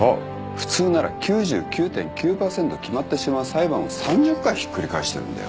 普通なら９９．９％決まってしまう裁判を３０回ひっくり返してるんだよ。